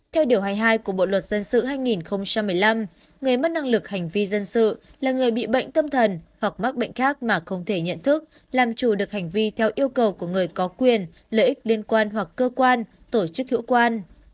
theo điều hai mươi hai của bộ luật dân sự hai nghìn một mươi năm người mất năng lực hành vi dân sự là người bị bệnh tâm thần hoặc mắc bệnh khác mà không thể nhận thức làm chủ được hành vi theo yêu cầu của người có quyền lợi ích liên quan hoặc cơ quan tổ chức hữu quan